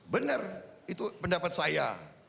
benar itu pendapat saya